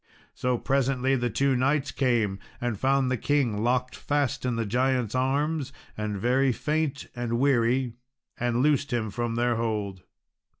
So presently the two knights came and found the king locked fast in the giant's arms, and very faint and weary, and loosed him from their hold.